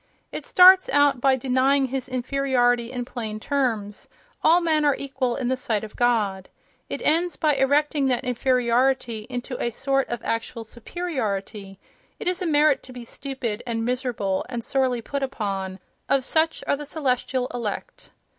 It starts out by denying his inferiority in plain terms: all men are equal in the sight of God. It ends by erecting that inferiority into a sort of actual superiority: it is a merit to be stupid, and miserable, and sorely put upon—of such are the celestial elect.